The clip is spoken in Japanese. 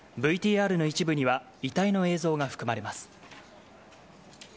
ＶＴＲの一部には、遺体の映像が含まれます。